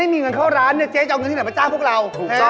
อันนี้มันมีปัญหามค่ะอุ๊ยเหมือนพี่แอ๋ดวะเอ๊ะ